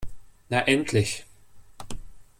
Na endlich!